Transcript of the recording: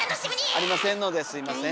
ありませんのですみません。